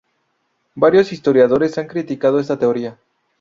Varios historiadores han criticado esta teoría.